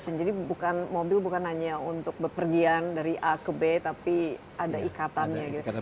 bukan mobil bukan hanya untuk bepergian dari a ke b tapi ada ikatannya gitu